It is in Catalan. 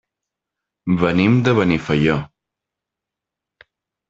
Venim de Benifaió.